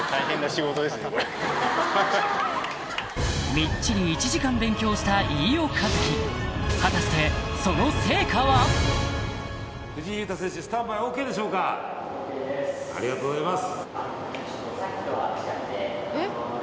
みっちり１時間勉強した飯尾和樹果たしてそのありがとうございます！